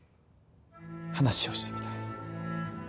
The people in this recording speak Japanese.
話をしてみたい。